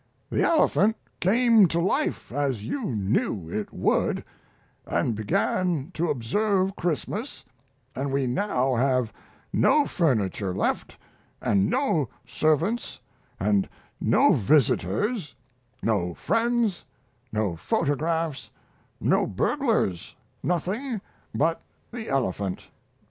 "The animal came to life, as you knew it would, and began to observe Christmas, and we now have no furniture left and no servants and no visitors, no friends, no photographs, no burglars nothing but the elephant.